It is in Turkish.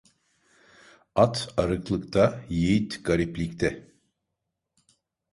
At arıklıkta, yiğit gariplikte.